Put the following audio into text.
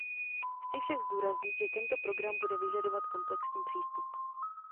Chci však zdůraznit, že tento program bude vyžadovat komplexní přístup.